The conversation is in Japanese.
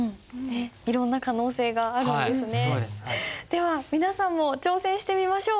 では皆さんも挑戦してみましょう。